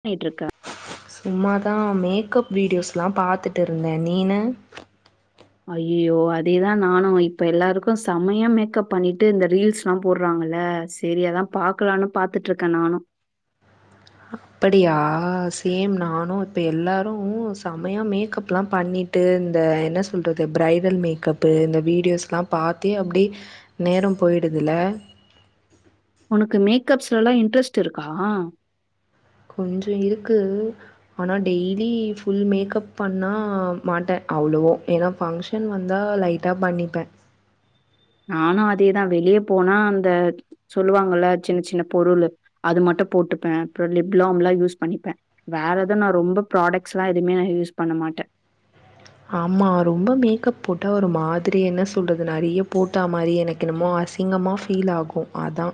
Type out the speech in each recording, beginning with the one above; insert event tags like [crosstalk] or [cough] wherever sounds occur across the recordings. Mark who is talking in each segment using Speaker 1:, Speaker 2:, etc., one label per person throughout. Speaker 1: பண்ணிட்ருக்க
Speaker 2: சும்மாதா மேக்கப் வீடியோஸ்ஸல்லா பாத்துட்டு இருந்தே நீனு
Speaker 1: அய்யோ அதேதா நானு இப்ப எல்லாருக்கு சமைய மேக்கப் பண்ணிட்டு இந்த ரீல்ஸ்ல்லா போடுறாங்கல்ல சீரி அதா பாக்கலன்னு பாத்துட்டுருக்கே நானு
Speaker 2: அப்படியா சேம் நானு இப்ப எல்லாரு செமையா மேக்கப்ல்லா பண்ணிட்டு இந்த என்ன சொல்றது பிரைடல் மேக்கப்பு இந்த வீடியோஸ்ஸல்லா பாத்தே அப்டி நேரோ போயிடுதுல்ல
Speaker 1: உனக்கு மேக்கப்ஸ்லல்லா இன்ட்ரெஸ்ட் இருக்கா
Speaker 2: கொஞ்சோ இருக்கு ஆனா டெய்லி ஃபுல் மேக்கப் பண்ணா மாட்டே அவ்வளவோ ஏன்னா பஃங்க்ஷன் வந்தா லைட்டா பண்ணிப்பே
Speaker 1: நானு அதேதா வெளியே போனா அந்த சொல்லுவாங்கல்ல சின்ன சின்ன பொருளு அது மட்டு போட்டுப்பே அப்புற லிப்லாம்ல்லா யூஸ் பண்ணிப்பே வேற எதவு நா ரொம்ப ப்ராடக்ட்ஸ்ஸெல்லா எதுவுமே நா யூஸ் பண்ண மாட்ட
Speaker 2: ஆமா ரொம்ப மேக்கப் போட்டா ஒரு மாதிரி என்ன சொல்றது நறைய போட்டா மாரி எனக்கென்னமோ அசிங்கமா ஃபீல் ஆகு அதா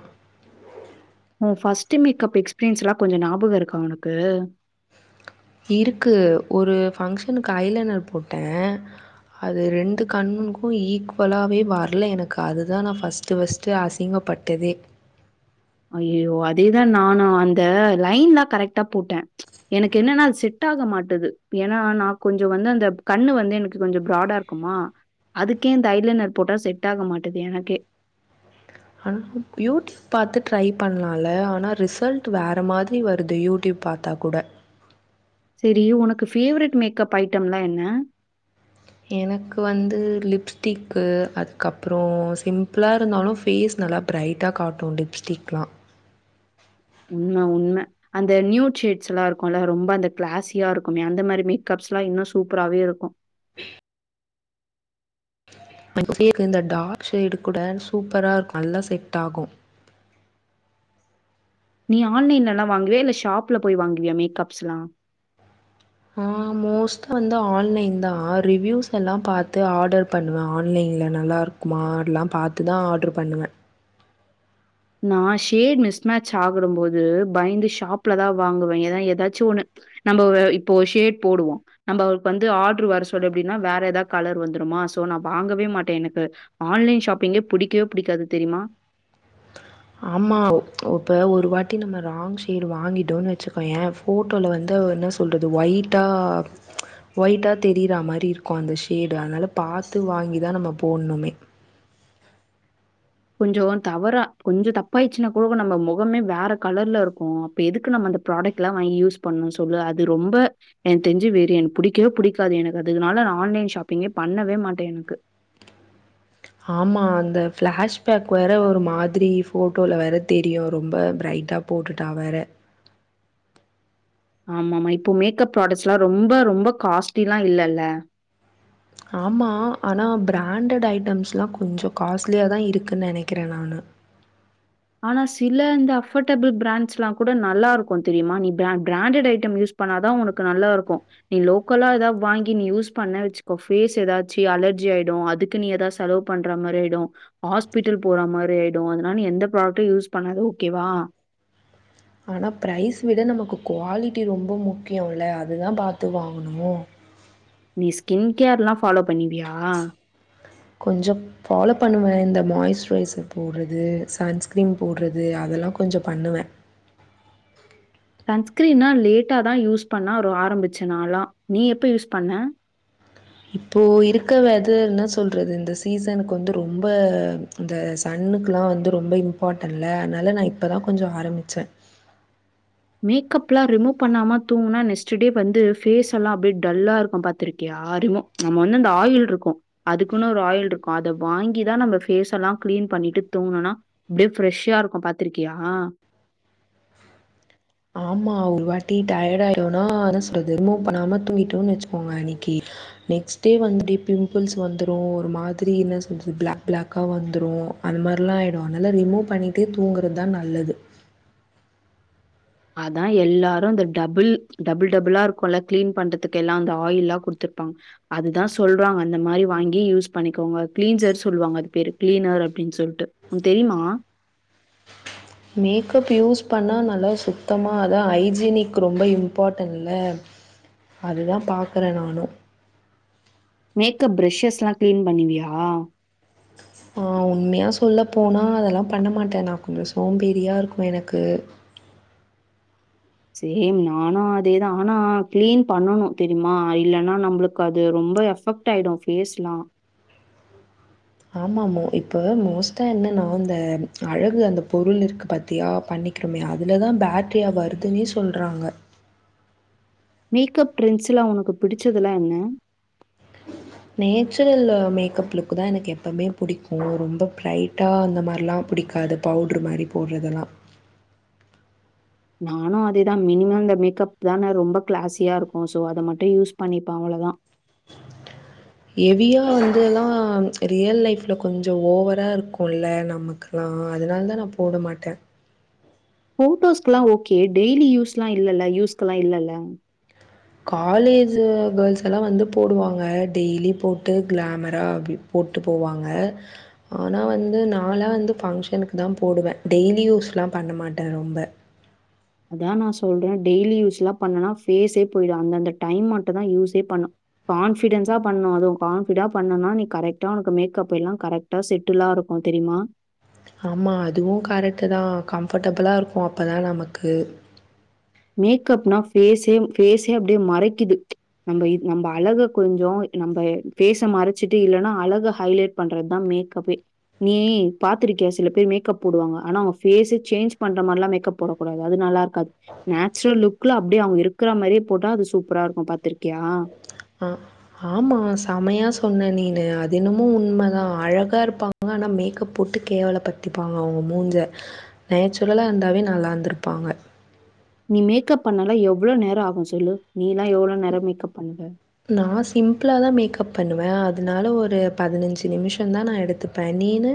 Speaker 1: ஓ ஃபர்ஸ்ட் மேக்ப் எக்ஸ்பீரியன்ஸ் எல்லா கொஞ்சோ ஞாபகம் இருக்கா உனக்கு
Speaker 2: இருக்கு ஒரு பஃங்க்ஷனுக்கு ஐலைனர் போட்டே அது ரெண்டு கண்ணுங்களுக்கு ஈக்குவலாவே வரல எனக்கு அதுதா நா ஃபர்ஸ்ட்டு ஃபர்ஸ்ட்டு அசிங்கப்பட்டதே
Speaker 1: அய்யயோ அதேதா நானு அந்த லைன்லா கரெக்டா போட்டே எனக்கு என்னன்னா அது செட்டாக மாட்டுது ஏன்னா நா கொஞ்சோ வந்து அந்த கண்ணு வந்து எனக்கு கொஞ்சோ ப்ராடா இருக்குமா அதுக்கே இந்த ஐலைனர் போட்டா செட் ஆக மாட்டேது எனக்கே
Speaker 2: ஆனா யூடியூப் பாத்து ட்ரை பண்ணலாம்ல ஆனா ரிசல்ட் வேற மாரி வருது யூடியூப் பாத்தாக் கூட
Speaker 1: செரி உனக்கு ஃபேவரெட் மேக்கப் ஐட்டம்லா என்ன
Speaker 2: எனக்கு வந்து லிப்ஸ்டிக்கு அதுக்கப்புறோ சிம்பிளா இருந்தாலு ஃபேஸ் நல்லா ப்ரைட்டா காட்டு லிப்ஸ்டிக்லா
Speaker 1: உண்ம, உண்ம. அந்த நியூ ஷேட்ஸ்ஸல்லா இருக்குல்ல ரொம்ப அந்த கிளாஸியா இருக்குமே அந்த மாரி மேக்கப்ஸ்ல்லா இன்னு சூப்பராவே இருக்கு
Speaker 2: [inaudible] [unintelligible] இந்த டார்க் ஷேடு கூட சூப்பரா இருக்கு நல்ல செட்டாகு
Speaker 1: நீ ஆன்லைன்லெல்லா வாங்குவியா இல்ல ஷாப்ல போய் வாங்குவியா மேக்ப்ஸ்ல்லா
Speaker 2: ஆஹ் மோஸ்டா வந்து ஆன்லைன் தா ரிவூஸ் எல்லா பாத்து ஆர்டர் பண்ணுவே ஆன்லைன்ல நல்லா இருக்குமால்லா பாத்துதா ஆர்டர் பண்ணுவே
Speaker 1: நான் ஷேட் மிஸ் மேட்ச ஆகிட போது பயந்து ஷாப்லதா வாங்குவே எண்ண ஏதாச்சு ஒண்ணு நம்ம இப்போ ஷேட் போடுவோ நம்மளுக்கு வந்து ஆர்டரு வர சொல்லு எப்டின்னா வேற ஏதாவது கலர் வந்துடுமா சோ நா வாங்கவே மாட்டே எனக்கு ஆன்லைன் ஷாப்பிங்கே புடிக்கவே புடிக்காது தெரியுமா
Speaker 2: ஆமா இப்ப ஒரு வாட்டி நம்ம ராங் ஷேடு வாங்கிட்டோன்னு வெச்சுக்கோயே ஃபோட்டோல வந்து என்ன சொல்றது ஒயிட்டா ஒயிட்டா தெரியறா மாரி இருக்கு அந்த ஷேடு அதனால பாத்து வாங்கிதா நம்ம போடணுமே
Speaker 1: கொஞ்சோ தவறா கொஞ்சம் தப்பாயிடுச்சுன்னா கூட நம்ம மொகமே வேற கலர்லருக்கு அப்ப எதுக்கு நம்ம அந்த ப்ராடக்டெல்லா வாங்கி யூஸ் பண்ணு சொல்லு அது ரொம்ப எனக்கு தெரிஞ்சு வேறு என புடிக்கவே புடிக்காது எனக்கு அதுனால நா ஆன்லைன் ஷாப்பிங்கே பண்ணவே மாட்டே எனக்கு
Speaker 2: ஆமா அந்த பிளாஷ்பேக் வேற ஒரு மாதிரி போட்டோல வேற தெரியு ரொம்ப ப்ரைட்டா போட்டுட்டா வேற
Speaker 1: ஆம ஆமா இப்போ மேக்கப் ப்ராடேக்ட்ஸல்லாம் ரொம்ப ரொம்ப காஸ்ட்லிலா இல்லல்ல
Speaker 2: ஆமா ஆனா பிராண்டட் ஐட்டம்ஸ்ல்லா கொஞ்சோ காஸ்ட்லியா தா இருக்குன் நெனைக்கிறே நானு
Speaker 1: ஆனா சில இந்த அஃபர்டபிள் பிராண்ட்ஸெல்லா கூட நல்லாருக்கு தெரியுமா நீ ப்ராண்டட் ஐட்டம் யூஸ் பண்ணாதா உனக்கு நல்லாருக்கு நீ லோக்கலா ஏதாவது வாங்கி நீ யூஸ் பண்ண வெச்சிக்கோ பேஸ் ஏதாச்சு அலர்ஜி ஆயிடு அதுக்கு நீ ஏதாவது செலவு பண்ற மாரி ஆயிடு ஹாஸ்பிட்டல் போற மாரி ஆயிடு அதனால நீ எந்த ப்ராடக் யூஸ் பண்ணத ஓகேவா
Speaker 2: ஆனா ப்ரைஸ் விட நமக்கு குவாலிட்டி ரொம்ப முக்கியோல்ல அதுதா பாத்து வாங்கணு
Speaker 1: நீ ஸ்கின் கேர்ல்லாம் ஃபாலோ பண்ணவியா
Speaker 2: கொஞ்சம் ஃபாலோ பண்ணுவே மாயிஸ்சுரைசர் போடுறது சன்ஸ்கிரீம் போடுறது அதெல்லா கொஞ்சம் பண்ணுவே
Speaker 1: சன்ஸ்கிரீனா லேட்டாதா யூஸ் பண்ணா ஒரு ஆரம்பிச்சு நாளா நீ எப்ப யூஸ் பண்ண
Speaker 2: இப்போ இருக்க வெதர்ன்ன சொல்றது இந்த சீசனுக்கு வந்து ரொம்ப இந்த சன்னுக்குல்லா வந்து ரொம்ப இம்பார்ட்டன்ல்ல அதனால நா இப்பதா கொஞ்சோ ஆரம்பிச்சே
Speaker 1: மேக்கபெல்லா ரிமூவ் பண்ணாம தூங்குனா நெக்ஸ்ட் டே வந்து ஃபேஸெல்லா அப்படி டல்லா இருக்கு பாத்திருக்கியா ரிமூவ் நம்ம வந்து அந்த ஆயில் இருக்கு அதுக்குன்னு ஒரு ஆயில் இருக்கு அத வாங்கிதா நம்ம பேஸெல்லா கிளீன் பண்ணிட்டு தூங்கணுனா அப்டியே ஃப்ரெஷ்ஷாருக்கு பாத்திருக்கியா
Speaker 2: ஆமா ஒரு வாட்டி டயர்ட ஆயிரூவானா என்ன சொல்றது ரிமூவ் பண்ணாம தூங்கிட்டோன்னு வச்சுக்கோங்க அன்னைக்கி நெக்ஸ்ட் டே வந்துட்டு பிம்பிள்ஸ் வந்துடு ஒரு மாதிரி என்ன சொல்றது பிளாக் பிளாக்கா வந்துரு அந்த மாதிரில்லா ஆயிடு அதனால ரிமூவ் பண்ணிட்டே தூங்குறதுதா நல்லது
Speaker 1: அதா எல்லாரு அந்த டபுள் டபுள் டபுளா இருக்குல்ல கிளீன் பண்றதுக்கு எல்லா அந்த ஆயில்லா குடுத்துருப்பாங்க அதுதா சொல்றாங்க அந்த மாரி வாங்கி யூஸ் பண்ணிக்கோங்க கிளீன்சர் சொல்லுவாங்க அது பேரு கிளீனர் அப்டின்னு சொல்ட்டு உனக்கு தெரியுமா
Speaker 2: மேக்கப் யூஸ் பண்ணா நல்லா சுத்தமா அதா ஹைஜீனிக் ரொம்ப இம்பார்டன்ல அதுதா பாக்குறே நானு
Speaker 1: மேக்கப் பிரஷஸ்ஸெல்லா கிளீன் பண்ணவியா
Speaker 2: ஆஹ் உண்மையா சொல்ல போனா அதெல்லா பண்ணமாட்டே நா கொஞ்சோ சோம்பேரியா இருக்கு எனக்கு
Speaker 1: சேம் நானு அதேதா ஆனா கிளீன் பண்ணணு தெரியுமா இல்லேன்னா நம்மளுக்கு அது ரொம்ப எஃபெக்ட்டாயிடு ஃபேஸ்ஸெல்லா
Speaker 2: ஆமாமமோ இப்ப மோஸ்ட்டா என்னன்னா அந்த அழகு அந்த பொருள் இருக்கு பாத்தியா பண்ணிக்கிறோமே அதுலதா பேக்ட்ரியா வருதுன்னே சொல்றாங்க
Speaker 1: மேக்கப் ட்ரெண்ட்ஸ்லா உனக்கு பிடிச்சதுலா என்ன
Speaker 2: நேச்சுரல்லு மேக்கப்லுக்குதா எனக்கு எப்பவுமே புடிக்கு ரொம்ப ப்ரைட்டா அந்த மாதிரல்லா புடிக்காது பவுட்ரு மாரி போடுறதெல்லா
Speaker 1: நானு அதேதா மினிமம் இந்த மேக்கப் தா ரொம்ப கிளாஸியா இருக்கு சோ அத மட்டு யூஸ் பண்ணிப்பே அவளவுதா
Speaker 2: ஹேவியா வந்துல்லா ரியல் லைஃப்ல கொஞ்சோ ஓவரா இருக்கும்ல்ல நமக்கெல்லா அதனால தா நா போட மாட்டே
Speaker 1: போட்டோஸ்க்கெல்லா ஓகே டெய்லி யூஸ்ல்லா இல்லல்ல யூஸ்கெல்லா இல்லல்ல
Speaker 2: காலேஜ் கேர்ள்ஸ்ல்லா வந்து போடுவாங்க டெய்லி போட்டு கிளாமரா அப்டி போட்டு போவாங்க ஆனா வந்து நா வந்து ஃபங்க்ஷனுக்கு தா போடுவே டெய்லி யூஸ்ல்லா பண்ண மாட்டே ரொம்ப
Speaker 1: அதா நா சொல்றே டெய்லி யூஸ்ல்லா பண்ணனா ஃபேஸே போயிடு அந்தந்த டைம் மட்டு தா யூஸே பண்ணு கான்பிடென்ஸா பண்ணு அதுவு கான்பிடா பண்ணனா நீ கரெக்டா உனக்கு மேக்கபெல்லா கரெக்டா செட்டலா இருக்கு தெரியுமா
Speaker 2: ஆமா அதுவு கரெக்ட் தா கம்பர்டபிளா இருக்கு அப்பதா நமக்கு
Speaker 1: மேக்கப்னா பேஸே பேஸே அப்படியே மறைக்குது நம்ம நம்ம அழக கொஞ்சோ நம்ம ஃபேஸ் மறைச்சிட்டு இல்லைன்னா அழக ஹைலைட் பண்றதுதா மேக்கப்பே நீய பாத்திருக்கியா சில பேர் மேக்கப் போடுவாங்க ஆனா அவங்க பேஸ்சே சேஞ்ச் பண்ற மாதிரில்லா மேக்கப் போடக்கூடாது அது நல்லாருக்காது நேச்சுரல் லுக்குல அப்படி அவுங்க இருக்கற மாரியே போட்டா அது சூப்பராருக்கு பாத்திருக்
Speaker 2: ஆஹ் ஆமா செமையா சொன்ன நீ அதென்னமோ உண்ம தா அழகா இருப்பாங்க ஆனா மேக்கப் போட்டு கேவல படுத்திப்பாங்க அவங்க மூஞ்ச நேச்சுரல இருந்தாவே நல்லாந்திருப்பாங்க
Speaker 1: நீ மேக்கப் பண்ணல்லா எவ்ளோ நேரோ ஆகு சொல்லு நீ எல்லா எவ்ளோநேரோ மேக்கப் பண்ணுவ
Speaker 2: நா சிம்பிள தா மேக்கப் பண்ணுவே அதனால ஒரு பதினஞ்சு நிமிஷோ தா நா எடுத்துப்பே நீனு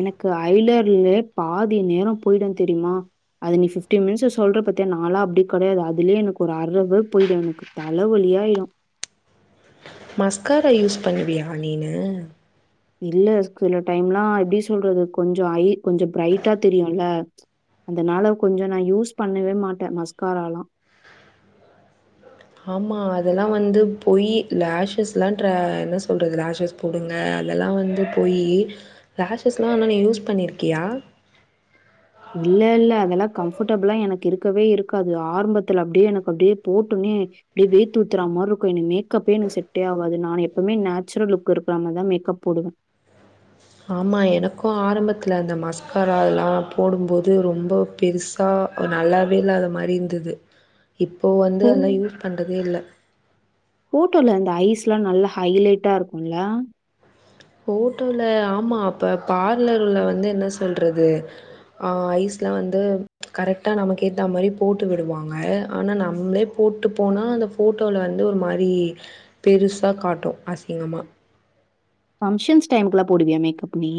Speaker 1: எனக்கு ஐலர்லே பாதி நேரோ போயிடு தெரிமா அது நீ ஃபிப்டீன் மினிட்ஸ் சொல்ற பாத்திய நாளா அப்டி கெடையாது அதுலயே எனக்கு ஒரு அர ஹவர் போயிடு எனக்கு தல வழியாயிடு
Speaker 2: மஸ்கார யூஸ் பண்ணுவியா நீனு
Speaker 1: இல்ல சில டைம்ல்லா எப்டி சொல்றது கொஞ்ச ஐ கொஞ்ச பிரைட்டா தெரியும் இல்ல அதனால கொஞ்ச நா யூஸ் பண்ணவே மாட்டே மஸ்காரல்லா
Speaker 2: ஆமா அதெல்லா வந்து பொய் லேஷஸ் எல்லா ட்ரே என்ன சொல்றது லேஷஸ் போடுங்க அதெல்லா வந்து பொய் லேஷஸ் எல்லா என்ன நீ யூஸ் பண்ணிருக்கியா
Speaker 1: இல்ல இல்ல அதெல்லா கம்ஃபர்டபிளா எனக்கு இருக்கவே இருக்காது ஆரம்பத்துல அப்படியே எனக்கு அப்படியே போட்டுமே அப்படியே வேர்த் ஊத்துற மார இருக்கு எனக்கு மேக்கப்பே எனக்கு செட்டே ஆவாது நா எப்பவுமே நேச்சுரல் லுக் இருக்கிற மாரிதா மேக்கப் போடுவே
Speaker 2: ஆமா எனக்கும் ஆரம்பத்துல அந்த மஸ்காரா அதல்லா போடும்போது ரொம்ப பெருசா நல்லாவே இல்லாத மாரி இருந்தது இப்போ வந்து
Speaker 1: ஓ!
Speaker 2: அதல்லா யூஸ் பண்றதே இல்ல
Speaker 1: ல்லா நல்லா ஹைலைட்டா இருக்கும்லா
Speaker 2: போட்டோல ஆமா அப்ப பார்லர்ல வந்து என்ன சொல்றது ஆஹ் ஐஸ்ல வந்து கரெக்டா நமக்கு ஏத்த மாரி போட்டு விடுவாங்க ஆனா நம்மளே போட்டு போனா அந்த போட்டோல வந்து ஒரு மாரி பெருசா காட்டு அசிங்கமா
Speaker 1: ஃபங்ஷன்ஸ் டைமுக்கெல்லா போடுவியா மேக்கப் நீ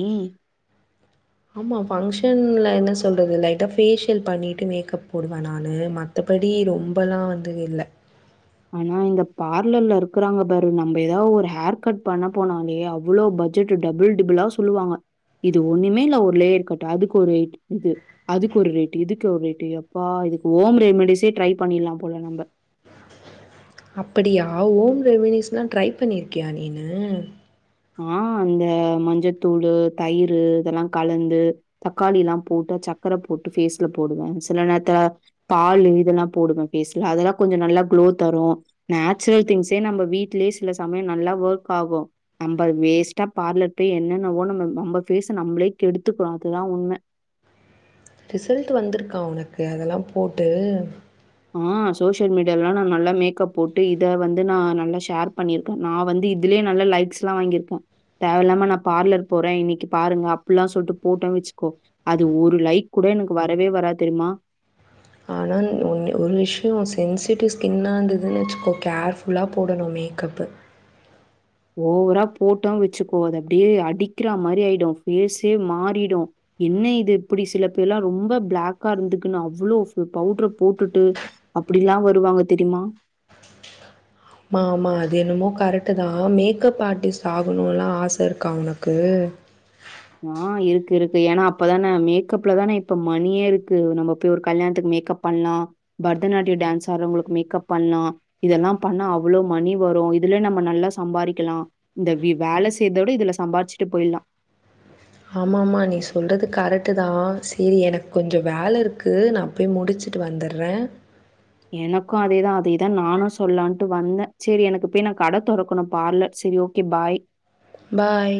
Speaker 2: ஆமா ஃபங்ஷன்ல என்ன சொல்றது லைட்டா பேஷியல் பண்ணிட்டு மேக்கப் போடுவே நானு மத்தபடி ரொம்பல்லா வந்து இல்ல
Speaker 1: ஆனா இந்த பார்லர்ல்ல இருக்கறாங்க பாரு நம்ம ஏதா ஒரு ஹேர் கட் பண்ண போனாலே அவ்ளோ பட்ஜெட் டபுள் டிபிளா சொல்லுவாங்க இது ஒன்னுமே இல்ல ஒரு லேயர் கட் அதுக்கு ஒரு ரேட் இது அதுக்கு ஒரு ரேட்டு் இதுக்கு ஒரு ரேட்டு எப்பா இதுக்கு ஹோம் ரெமடிஸே ட்ரை பண்ணிடலா போல நம்ப
Speaker 2: அப்டியா ஓம் ரெமடிஸ்ல்லா ட்ரை பண்ணிருக்கியா நீனு
Speaker 1: ஆஹ் அந்த மஞ்சத்தூளு தயிரு இதெல்லா கலந்து தக்காளிலா போட்டு சக்கர போட்டு ஃபேஸ்ல போடுவே சில நேரத்துல பாலு இதெல்லா போடுவே ஃபேஸ்ல அதெல்லா கொஞ்ச நல்லா குளோ தரு நேச்சுரல் திங்ஸே நம்ம வீட்லயே சில சமய நல்லா வொர்க் ஆகு நம்ம வேஸ்ட்டா பார்லர் போய் என்னென்னவோ நம்ம நம்ம பேஸ நம்ளே கெடுத்துக்கிறோ அதுதா உண்ம
Speaker 2: ரிசல்ட் வந்திருக்கா உனக்கு அதெல்லா போட்டு
Speaker 1: ஆஹ் சோசியல் மீடியாலலா நா நல்லா மேக்கப் போட்டு இத வந்து நா நல்லா ஷேர் பண்ணிருக்கே நா வந்து இதுலயே நல்ல லைக்ஸ்லா வாங்கியிருப்போ தேவயில்லாம நா பார்லர் போறே இன்னிக்கு பாருங்க அப்ல்லா சொல்ட்டு போட்டோ வச்சுக்கோ அது ஒரு லைக் கூட எனக்கு வரவே வராது தெரியுமா
Speaker 2: ஆனா ஒன் ஒரு விஷய சென்சிட்டிவ் ஸ்கின்னா இருந்ததுன்னு வச்சுக்கோ கேர்ஃபுல்லா போடணு மேக்கப்பு
Speaker 1: ஓவரா போட்டோ வச்சுக்கோ அது அப்டியே அடிக்கிற மாரி ஆயிடு பேஸே மாறிடு என்ன இது இப்டி சில பேர்ல்லா ரொம்ப பிளாக்கா இருந்துக்குன்னு அவ்ளோ பவுட்ர போட்டு அப்டிலா வருவாங்க தெரியுமா
Speaker 2: ஆமா ஆமா அது என்னமோ கரெக்ட் தா மேக்கப் ஆர்ட்டிஸ்ட் ஆகணுலா ஆச இருக்கா உனக்கு
Speaker 1: ஆஹ் இருக்கு இருக்கு ஏனா அப்பதான மேக்கப்லதானே இப்ப மணியே இருக்கு நம்ம போய் ஒரு கல்யாணத்துக்கு மேக்கப் பண்லா பரதநாட்டிய டான்ஸ் ஆட்றவங்களுக்கு மேக்கப் பண்லா இதெல்லா பண்ணா அவ்ளோ மணி வரும இதுலயே நம்ம நல்லா சம்பாரிக்கலா இந்த வி வேல செய்த விட இதுல சம்பாதிச்சுட்டு போயிர்லா
Speaker 2: ஆமாமா நீ சொல்றது கரெக்டு தா சரி எனக்கு கொஞ்சோ வேல இருக்கு நா போய் முடிச்சுட்டு வந்தறே
Speaker 1: எனக்கு அதேதா அதேதா நானு சொல்லான்ட்டு வந்தே சரி எனக்கு பேய் நா கட தொறக்கணு பார்லர் சரி ஓகே பாய்
Speaker 2: பாய்